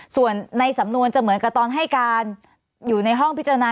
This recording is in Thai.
ส่วนในสำนวนจะเหมือนกับตอนให้การอยู่ในห้องพิจารณา